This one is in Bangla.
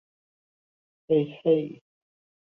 হেই, হেই!